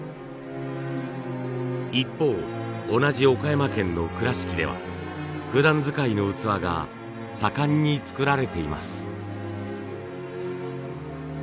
一方同じ岡山県の倉敷ではふだん使いの器が盛んに作られています。